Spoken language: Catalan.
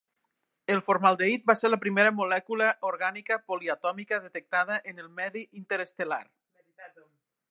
El formaldehid va ser la primera molècula orgànica poliatòmica detectada en el medi interestel·lar.